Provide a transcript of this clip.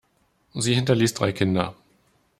Sie hinterließ drei Kinder.